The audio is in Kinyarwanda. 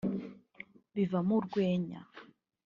bivamo urwenya